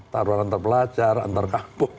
taruhan antar pelajar antar kampung